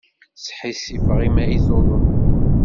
Sḥissifeɣ imi ay tuḍen.